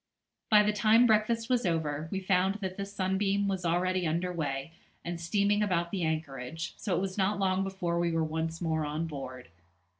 By the time breakfast was over, we found that the 'Sunbeam' was already under way, and steaming about the anchorage; so it was not long before we were once more on board.